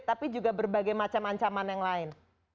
tapi juga berbagai macam ancaman yang lain